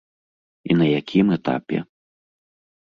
І на якім этапе?